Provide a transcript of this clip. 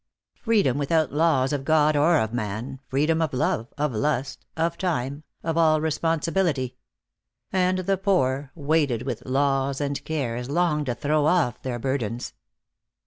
Freedom without laws of God or of man, freedom of love, of lust, of time, of all responsibility. And the poor, weighted with laws and cares, longed to throw off their burdens.